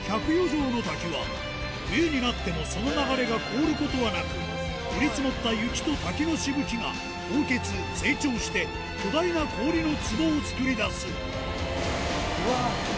丈滝は冬になってもその流れが凍ることはなく降り積もった雪と滝のしぶきが凍結成長して巨大な氷の壺を作り出すうわっ